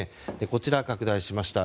こちらに拡大しました。